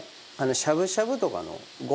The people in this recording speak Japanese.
しゃぶしゃぶとかの。